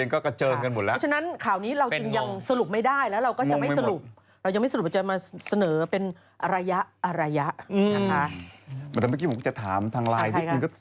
เขาบอกวันนี้ดูเป็นพูดดีเนอะแล้ววันอื่นนี่มีหาอะไร